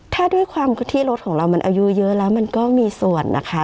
ถ้าด้วยความที่รถของเรามันอายุเยอะแล้วมันก็มีส่วนนะคะ